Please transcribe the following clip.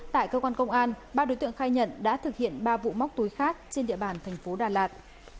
tại cơ quan công an ba đối tượng khai nhận đã thực hiện ba vụ móc túi khác trên địa bàn thành phố đà lạt